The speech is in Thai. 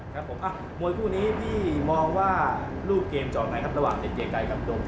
ครับผมมวยคู่นี้พี่มองว่ารูปเกมจะออกไงครับระหว่างเด็ดเกรไกรกับดง